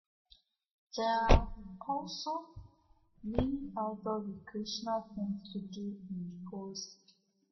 There are also many outdoor recreational things to do in Posio.